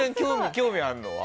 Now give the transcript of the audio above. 興味あるのは？